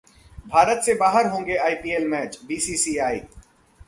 भारत से बाहर होंगे आईपीएल मैच: बीसीसीआई